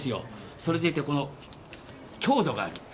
それでいてこの強度がある。